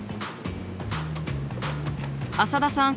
浅田さん